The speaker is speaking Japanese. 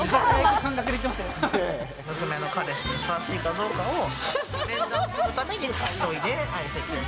娘の彼氏にふさわしいかどうかを面談するために、付き添いで相席屋に行く。